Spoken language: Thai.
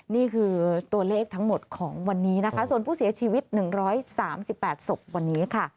นี่คือตัวเลขทั้งหมดของวันนี้นะคะส่วนผู้เสียชีวิต๑๓๘ศพวันนี้ค่ะ